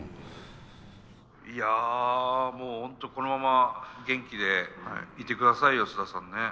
いやもう本当このまま元気でいてくださいよスダさんね。